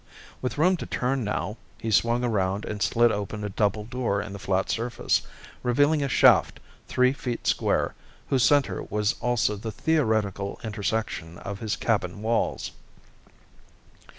With room to turn now, he swung around and slid open a double door in the flat surface, revealing a shaft three feet square whose center was also the theoretical intersection of his cabin walls.